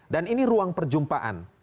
dan ini ruang perjumpaan